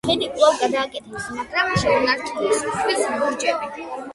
ხიდი კვლავ გადააკეთეს, მაგრამ შეუნარჩუნეს ქვის ბურჯები.